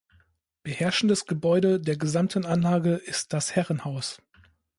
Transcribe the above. Beherrschendes Gebäude der gesamten Anlage ist das Herrenhaus.